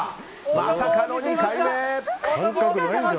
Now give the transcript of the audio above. まさかの２回目！